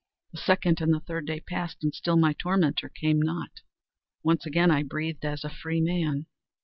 The second and the third day passed, and still my tormentor came not. Once again I breathed as a freeman.